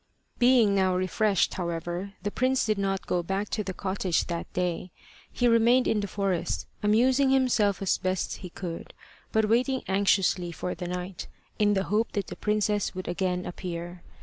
Being now refreshed, however, the prince did not go back to the cottage that day: he remained in the forest, amusing himself as best he could, but waiting anxiously for the night, in the hope that the princess would again appear.